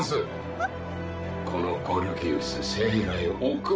えっ？